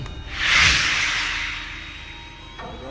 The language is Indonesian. tidak ada apa apa